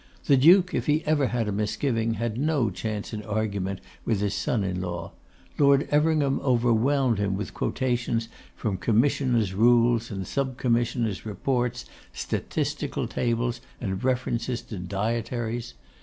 The Duke, if he ever had a misgiving, had no chance in argument with his son in law. Lord Everingham overwhelmed him with quotations from Commissioners' rules and Sub commissioners' reports, statistical tables, and references to dietaries.